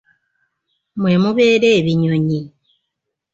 Mwe mubeera ebinyonyi.